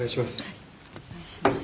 お願いします。